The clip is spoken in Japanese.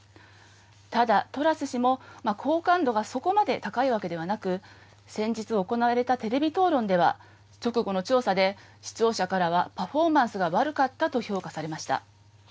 ただ、トラス氏も好感度がそこまで高いわけではなく、先日行われたテレビ討論では、直後の調査で、視聴者からはパフォーマンスが悪かったと評価されました。